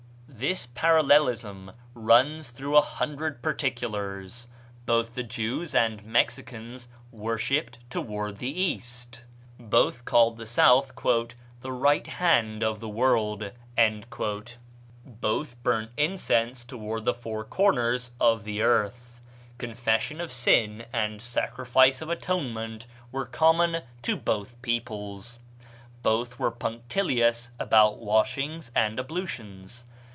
This parallelism runs through a hundred particulars: Both the Jews and Mexicans worshipped toward the east. Both called the south "the right hand of the world." Both burnt incense toward the four corners of the earth. Confession of sin and sacrifice of atonement were common to both peoples. Both were punctilious about washings and ablutions.